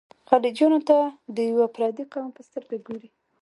خلجیانو ته د یوه پردي قوم په سترګه ګوري.